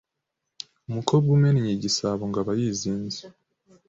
umukobwa umennye igisabo ngo aba yizinze